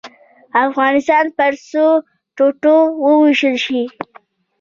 افغانستان پر څو ټوټو ووېشل شي.